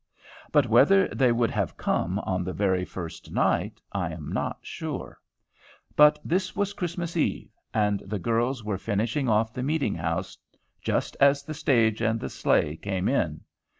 But whether they would have come, on the very first night, I am not sure. But this was Christmas Eve, and the girls were finishing off the meeting house just as the stage and the sleigh came in.